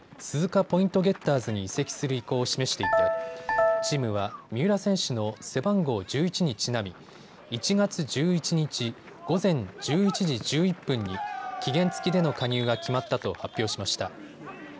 鈴鹿ポイントゲッターズに移籍する意向を示していてチームは三浦選手の背番号１１にちなみ１月１１日午前１１時１１分に期限付きでの加入が決まったと発表しました。